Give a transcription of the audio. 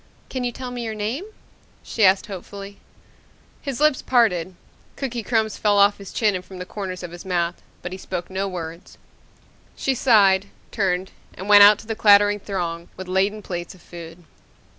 "Can you tell me your name?" she asked hopefully. His lips parted. Cookie crumbs fell off his chin and from the corners of his mouth, but he spoke no words. She sighed, turned, and went out to the clattering throng with laden plates of food.